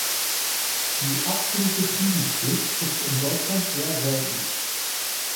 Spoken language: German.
Die absolute Friedenspflicht ist in Deutschland eher selten.